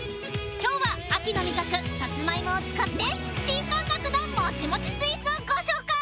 今日は秋の味覚サツマイモを使って新感覚のもちもちスイーツをご紹介！